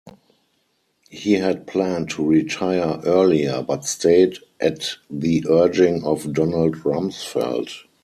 He had planned to retire earlier, but stayed at the urging of Donald Rumsfeld.